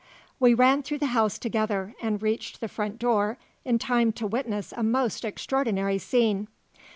We ran through the house together, and reached the front door in time to witness a most extraordinary scene.